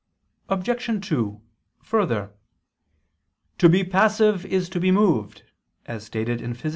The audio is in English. Obj. 2: Further, "To be passive is to be moved," as stated in _Phys.